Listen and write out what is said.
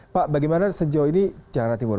pak bagaimana sejauh ini jawa timur